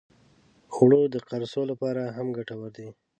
اوړه د قرصو لپاره هم ګټور دي